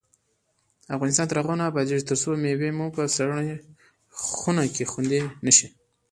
افغانستان تر هغو نه ابادیږي، ترڅو مېوې مو په سړه خونه کې خوندي نشي.